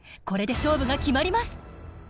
これで勝負が決まります。